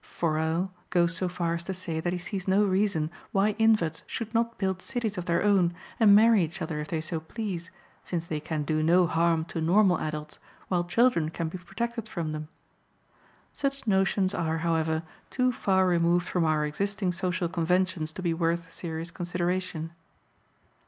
Forel goes so far as to say that he sees no reason why inverts should not build cities of their own and marry each other if they so please, since they can do no harm to normal adults, while children can be protected from them. Such notions are, however, too far removed from our existing social conventions to be worth serious consideration.